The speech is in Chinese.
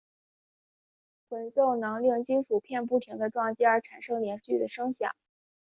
滚奏能令金属片不停地撞击而产生连续的声响。